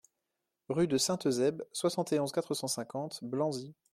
Rue de Saint-Eusebe, soixante et onze, quatre cent cinquante Blanzy